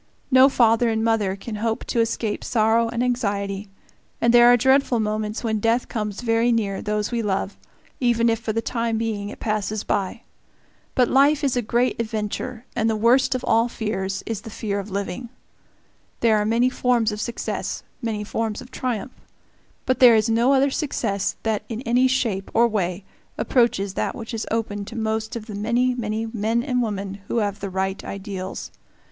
No father and mother can hope to escape sorrow and anxiety, and there are dreadful moments when death comes very near those we love, even if for the time being it passes by. But life is a great adventure, and the worst of all fears is the fear of living. There are many forms of success, many forms of triumph. But there is no other success that in any shape or way approaches that which is open to most of the many, many men and women who have the right ideals.